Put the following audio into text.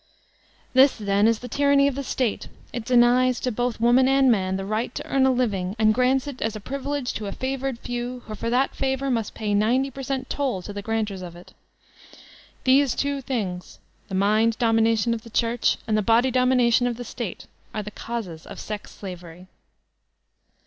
This, then, is the tyranny of the State; it denies, to both woman and man, the right to earn a living, and grants it as a privilege to a favored few who for that favor must pay ninety per cent toll to the granters of it These two things, the mind domination of the Church, and the body domination of the State are the causes of Sex Slavery.